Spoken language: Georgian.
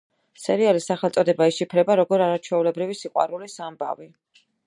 სერიალის სახელწოდება იშიფრება, როგორ „არაჩვეულებრივი სიყვარულის ამბავი“.